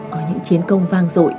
có những chiến công vang dội